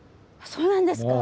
そうなんですか。